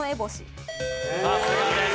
さすがです。